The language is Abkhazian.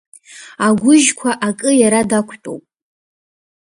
Агәыжьқәа акы иара дақәтәоуп.